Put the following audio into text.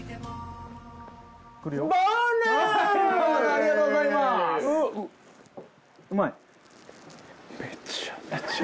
ありがとうございまぁす！